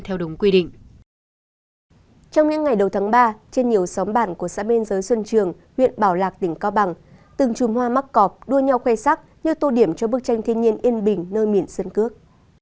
trên nhiều sóng bản của xã bên giới xuân trường huyện bảo lạc tỉnh cao bằng từng chùm hoa mắc cọp đua nhau khoe sắc như tô điểm cho bức tranh thiên nhiên yên bình nơi miền sơn cước